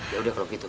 ya udah kalau gitu